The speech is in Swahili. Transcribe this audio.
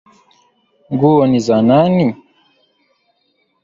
Nguo ni za nani?